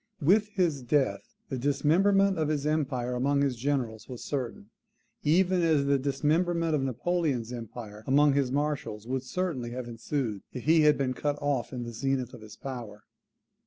With his death the dismemberment of his empire among his generals was certain, even as the dismemberment of Napoleon's empire among his marshals would certainly have ensued, if he had been cut off in the zenith of his power.